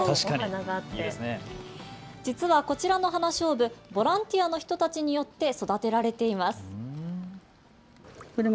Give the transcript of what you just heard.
実はこちらの花しょうぶ、ボランティアの人たちによって育てられています。